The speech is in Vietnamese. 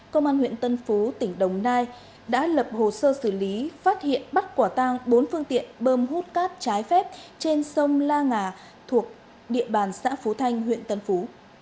công an huyện tân phú tỉnh đồng nai đã lập hồ sơ xử lý phát hiện bắt quả tang bốn phương tiện bơm hút cát trái phép trên sông la ngà thuộc địa bàn xã phú thanh huyện tân phú